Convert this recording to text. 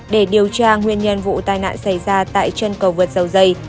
để điều tra nguyên nhân vụ tai nạn xảy ra tại chân cầu vượt dầu dây